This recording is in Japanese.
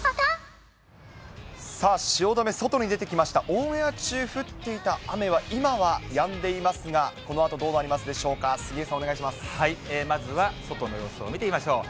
オンエア中、降っていた雨は、今はやんでいますが、このあとどうなりますでしょうか、杉江さん、まずは外の様子を見てみましょう。